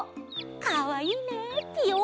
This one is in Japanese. かわいいね。